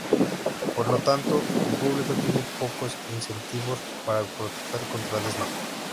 Por lo tanto, el público tiene pocos incentivos para protestar contra Disney.